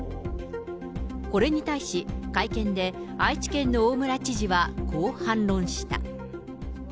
これに対し、会見で、愛知県の大村知事はこう反論した。